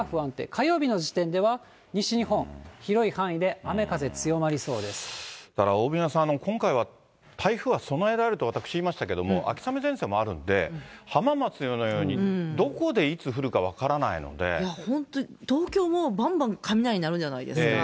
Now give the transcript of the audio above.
火曜日の時点では西日本、だから大宮さん、今回は台風は備えられると私、言いましたけれども、秋雨前線もあるんで、浜松のように、本当、東京もばんばん雷鳴るじゃないですか。